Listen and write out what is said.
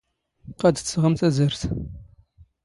ⵇⵇⴰⴷ ⴷ ⵜⵙⵖⵎ ⵜⴰⵣⴰⵔⵜ?